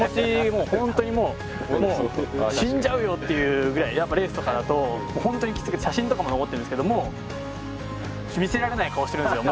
もうほんとにもうもう「死んじゃうよ！」っていうぐらいやっぱレースとかだとほんとにキツくて写真とかも残ってるんですけどもう見せられない顔してるんですよ。